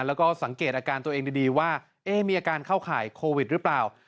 แล้วก็สังเกตอาการตัวเองดีว่ามีอาการเข้าข่ายโควิดหรือเปล่า